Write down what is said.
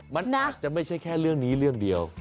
มันอาจจะไม่ใช่แค่เรื่องนี้เรื่องเดียว